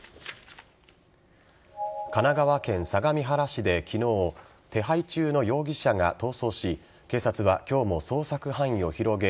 神奈川県相模原市で昨日手配中の容疑者が逃走し警察は、今日も捜索範囲を広げ